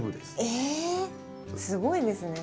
えっすごいですね。